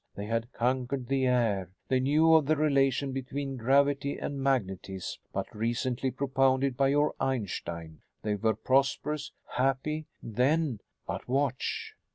They had conquered the air. They knew of the relation between gravity and magnetism but recently propounded by your Einstein. They were prosperous, happy. Then but watch!"